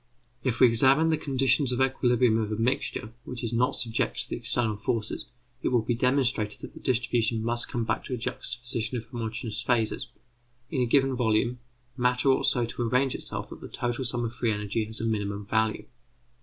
If we examine the conditions of equilibrium of a mixture which is not subjected to external forces, it will be demonstrated that the distribution must come back to a juxtaposition of homogeneous phases; in a given volume, matter ought so to arrange itself that the total sum of free energy has a minimum value.